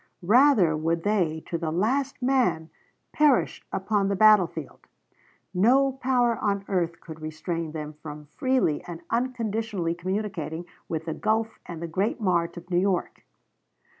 Rather would they, to the last man, perish upon the battlefield. No power on earth could restrain them from freely and unconditionally communicating with the Gulf and the great mart of New York.